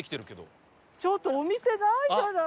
ちょっとお店ないじゃない。